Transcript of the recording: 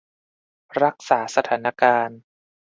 รักษาสถานการณ์